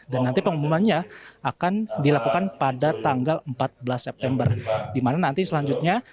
dan nanti pengumumannya akan dilakukan pada tanggal empat belas september dimana nanti selanjutnya